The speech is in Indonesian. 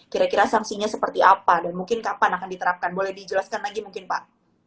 kira kira sanksinya seperti apa dan mungkin kapan akan diterapkan boleh dijelaskan lagi mungkin pak